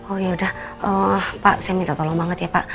oh yaudah pak saya minta tolong banget ya pak